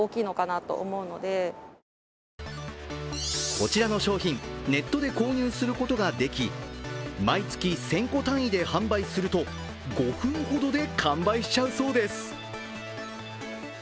こちらの商品、ネットで購入することができ、毎月１０００個単位で販売すると５分ほどで完売しちゃうそうです。